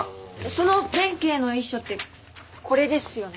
その弁慶の衣装ってこれですよね。